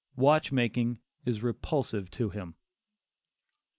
Watch making is repulsive to him.